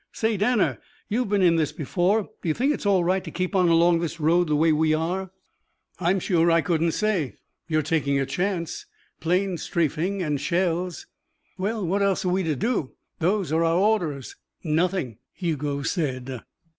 "Say, Danner, you've been in this before. Do you think it's all right to keep on along this road the way we are?" "I'm sure I couldn't say. You're taking a chance. Plane strafing and shells." "Well, what else are we to do? These are our orders." "Nothing," Hugo said.